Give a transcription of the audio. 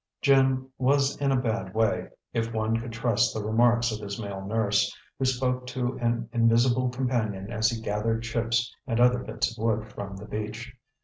Jim was in a bad way, if one could trust the remarks of his male nurse, who spoke to an invisible companion as he gathered chips and other bits of wood from the beach.